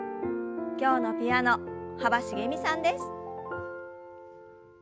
今日のピアノ幅しげみさんです。